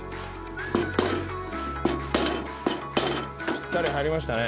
ぴったり入りましたね。